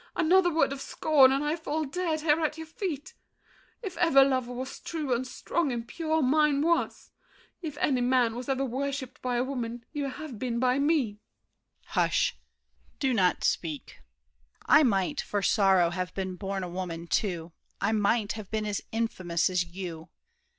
Another word of scorn and I fall dead Here at your feet. If ever love was true And strong and pure, mine was. If any man Was ever worshiped by a woman, you Have been by me. DIDIER. Hush! Do not speak! I might, For sorrow, have been born a woman too. I might have been as infamous as you.